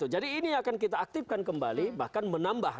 jadi ini akan kita aktifkan kembali bahkan menambah